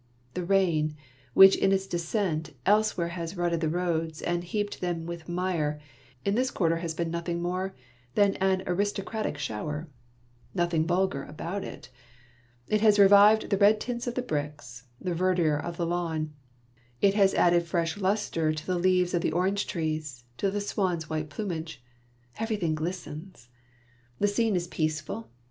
The rain, which in its descent elsewhere has rutted the roads and heaped them with mire, in this quarter has been nothing more than an aristocratic shower. Nothing vulgar A Game of Billiards, 1 1 about it. It has revived the red tints of the bricks, the verdure of the lawns, it has added fresh lustre to the leaves of the orange trees, to the swans' white plumage. Everything glistens. The scene is peaceful.